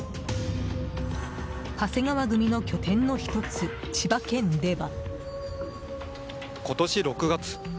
長谷川組の拠点の１つ千葉県では。